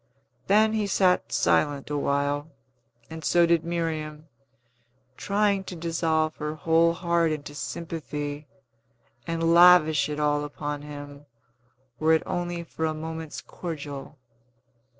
Then he sat silent awhile, and so did Miriam, trying to dissolve her whole heart into sympathy, and lavish it all upon him, were it only for a moment's cordial.